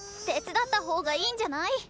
手伝った方がいいんじゃない？